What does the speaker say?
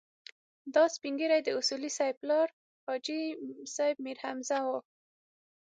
دا سپين ږيری د اصولي صیب پلار حاجي صیب میرحمزه و.